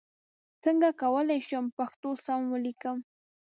څنګه کولای شم پښتو سم ولیکم ؟